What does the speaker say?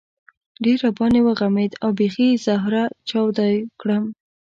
ډېر را باندې وغمېد او بېخي زهره چاودی کړم.